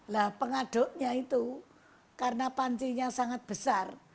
nah pengaduknya itu karena pancinya sangat besar